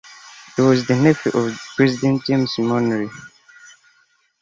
He was the nephew of President James Monroe.